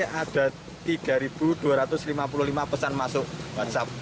ada tiga dua ratus lima puluh lima pesan masuk whatsapp